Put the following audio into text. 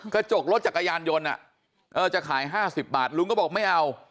กระจกรถจักรยานยนต์น่ะเออจะขายห้าสิบบาทลุงก็บอกไม่เอา